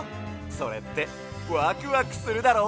それってワクワクするだろ？